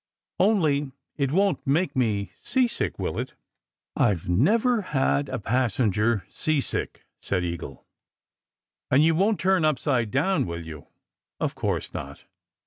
Only it won t make me seasick, will it? " "I ve never had a passenger seasick," said Eagle. "And you won t turn upside down, will you?" "Of course not!"